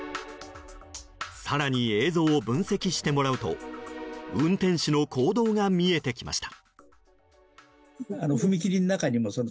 更に、映像を分析してもらうと運転手の行動が見えてきました。